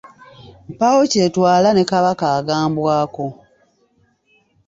Mpaawo kyetwala ne Kabaka agambwako.